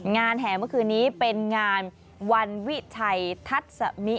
งานแห่เมื่อคืนนี้เป็นงานวันวิไชทัศน์มิ